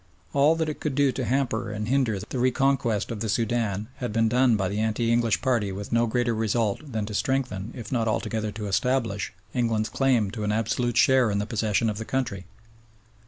All that it could do to hamper and hinder the reconquest of the Soudan had been done by the anti English party with no greater result than to strengthen, if not altogether to establish, England's claim to an absolute share in the possession of the country.